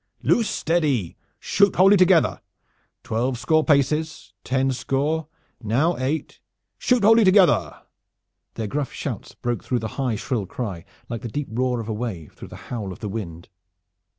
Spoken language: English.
Loose steady! Shoot wholly together! Twelve score paces! Ten score! Now eight! Shoot wholly together!" Their gruff shouts broke through the high shrill cry like the deep roar of a wave through the howl of the wind.